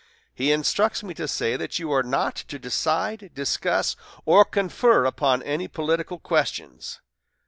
He instructs me to say that you are not to decide, discuss, or confer upon any political questions.